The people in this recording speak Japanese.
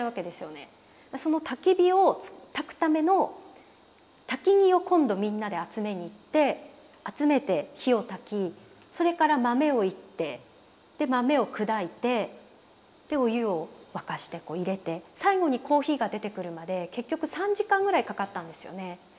そのたき火をたくための薪を今度みんなで集めに行って集めて火をたきそれから豆を煎ってで豆を砕いてお湯を沸かして入れて最後にコーヒーが出てくるまで結局３時間ぐらいかかったんですよね。